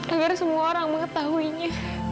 agar semua orang mengetahuinya